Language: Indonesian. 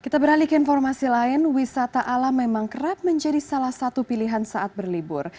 kita beralih ke informasi lain wisata alam memang kerap menjadi salah satu pilihan saat berlibur